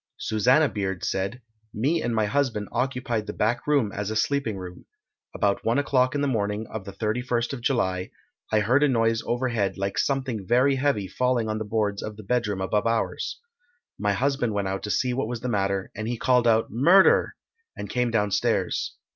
Susannah Beard said: Me and my husband occupied the back room as a sleeping room. About one o'clock in the morning of the 31st of July, I heard a noise overhead like something very heavy falling on the boards of the bedroom above ours. My husband went out to see what was the matter, and he called out "Murder!" and came downstairs.